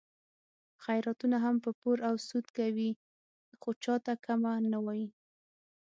خیراتونه هم په پور او سود کوي، خو چاته کمه نه وایي.